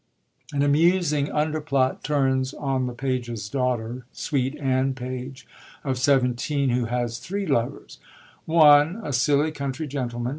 An amusing underplot turns on the Pages' daughter, sweet Anne Page, of seventeen, who has three lovers — 1, a silly countiy gentleman.